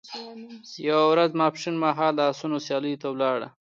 یوه ورځ ماپښین مهال د اسونو سیالیو ته ولاړو.